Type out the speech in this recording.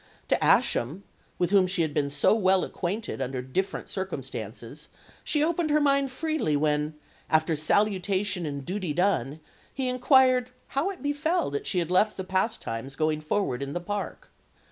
To Ascham, with whom she had been so well acquainted under different circumstances, she opened her mind freely when, "after salutation and duty done," he inquired how it befell that she had left the pastimes going forward in the Park.